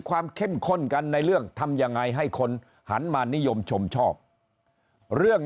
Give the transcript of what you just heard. เข้มข้นกันในเรื่องทำยังไงให้คนหันมานิยมชมชอบเรื่อง